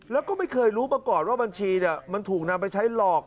แล้วก็ไม่เคยรู้มาก่อนว่าบัญชีมันถูกนำไปใช้หลอก